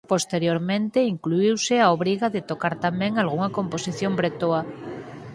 Posteriormente incluíuse a obriga de tocar tamén algunha composición bretoa.